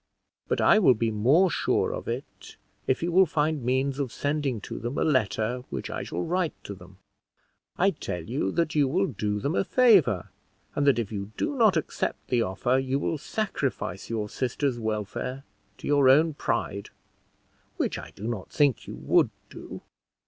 But I will be more sure of it if you will find means of sending to them a letter which I shall write to them. I tell you that you will do them a favor, and that if you do not accept the offer, you will sacrifice your sisters' welfare to your own pride which I do not think you would do."